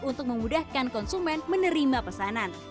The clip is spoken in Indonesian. untuk memudahkan konsumen menerima pesanan